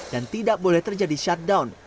dan tidak boleh terjadi shutdown